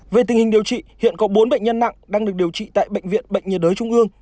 về tình hình điều trị hiện có bốn bệnh nhân nặng đang được điều trị tại bệnh viện bệnh nhiệt đới trung ương